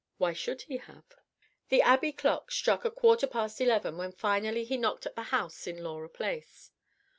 Why should he have? The Abbey clock struck a quarter past eleven when finally he knocked at the house in Laura Place.